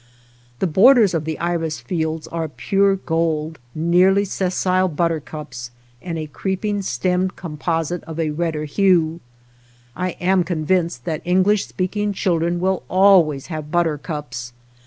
The jpordersj of the iris fi elds ar e pure gold^neai ly sessile buttercups and a creeping stemmed composite of a redder hue. I am convinced that English speak ing children will always have buttercups.